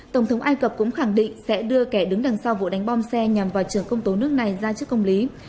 tổng thống ai cập cũng khẳng định sẽ đưa kẻ đứng đằng sau vụ đánh bom xe nhằm vào trường công tố nước này ra trước công lý